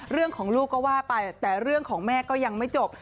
เรื่องของลูกก็ว่าไปแต่เรื่องของแม่ก็ยังไม่จบ